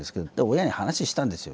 親に話したんですよ。